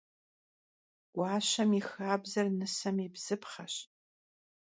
Guaşem yi xabzer nısem yi bzıpxheş.